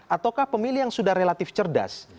ataukah pemilih yang sudah relatif cerdas